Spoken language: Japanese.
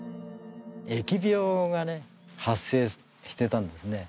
疫病がね発生してたんですね。